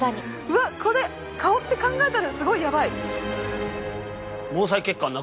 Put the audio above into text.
うわこれ顔って考えたらすごいやばい。